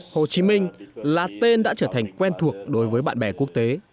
hồ chí minh là tên đã trở thành quen thuộc đối với bạn bè quốc tế